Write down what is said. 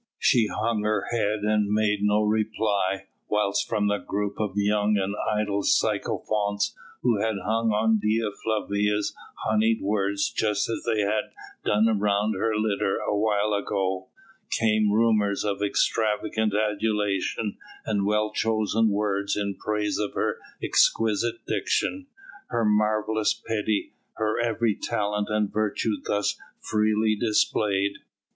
She hung her head and made no reply, whilst from the group of the young and idle sycophants who had hung on Dea Flavia's honeyed words just as they had done round her litter a while ago, came murmurs of extravagant adulation and well chosen words in praise of her exquisite diction, her marvellous pity, her every talent and virtue thus freely displayed.